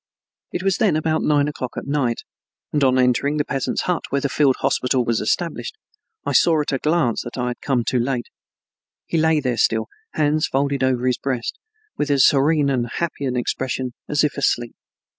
It was then about nine o'clock at night, and on entering the peasant's hut where the field hospital was established, I saw at a glance that I had come too late. He lay there still, hands folded over his breast with as serene and happy an expression as if asleep.